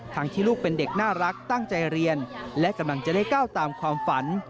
ที่ลูกเป็นเด็กน่ารักตั้งใจเรียนและกำลังจะได้ก้าวตามความฝัน